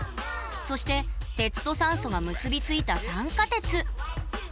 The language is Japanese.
そして鉄と酸素が結び付いた酸化鉄。